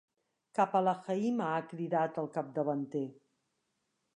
Cap a la Haima! —ha cridat el capdavanter.